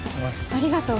ありがとう。